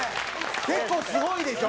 結構すごいでしょ？